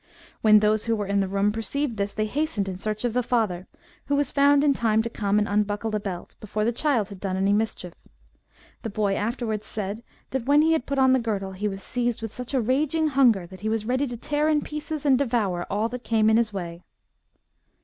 When those who were in the room perceived this, they hastened in search of the father, who was found in time to come and unbuckle the belt, before the child had done any mischief. The boy afterwards said, that when he had put on the girdle, he was seized with such a raging hunger, that he was ready to tear in pieces and devour all that came in his way.